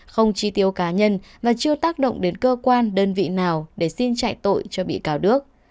không chi tiêu cá nhân và chưa tác động đến cơ quan đơn vị nào để xin chạy tội cho bị cáo đức